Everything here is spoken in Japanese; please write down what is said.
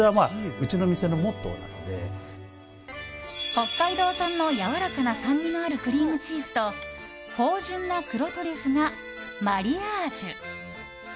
北海道産のやわらかな酸味のあるクリームチーズと芳醇な黒トリュフがマリアージュ。